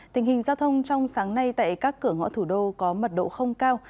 tình hình giao thông trong sáng nay tại các cửa ngõ thủ đô có mật độ không cao